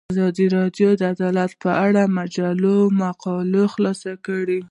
ازادي راډیو د عدالت په اړه د مجلو مقالو خلاصه کړې.